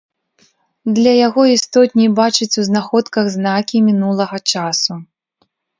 Для яго істотней бачыць у знаходках знакі мінулага часу.